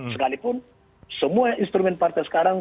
sekalipun semua instrumen partai sekarang